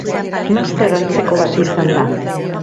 Master antzeko bat izan da.